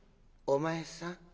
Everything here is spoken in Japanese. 「お前さん。